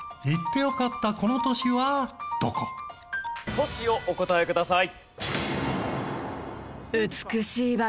都市をお答えください。